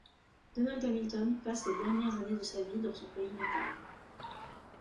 Donald Hamilton passe les dernières années de sa vie dans son pays natal.